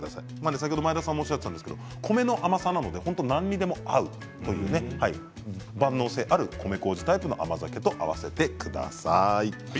先ほど前田さんもおっしゃっていたんですけど米の甘さなので何にでも合う万能性である米こうじタイプの甘酒と合わせてください。